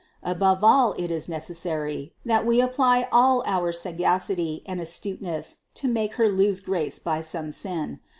Above all it is necessary, that we apply all our sagacity and astuteness to make Her lose grace by some sin.